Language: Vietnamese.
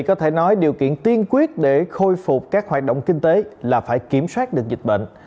có thể nói điều kiện tiên quyết để khôi phục các hoạt động kinh tế là phải kiểm soát được dịch bệnh